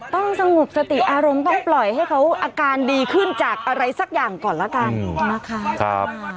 ต้องสงบสติอารมณ์ต้องปล่อยให้เขาอาการดีขึ้นจากอะไรสักอย่างก่อนละกันนะคะ